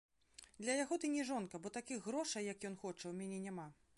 Для яго ты не жонка, бо такіх грошай, як ён хоча, у мяне няма.